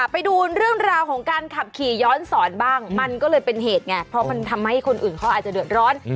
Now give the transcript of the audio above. ไปดูเรื่องราวของการขับขี่ย้อนสอนบ้างมันก็เลยเป็นเหตุไงเพราะมันทำให้คนอื่นเขาอาจจะเดือดร้อน